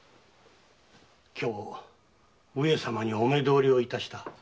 今日上様にお目通りを致した。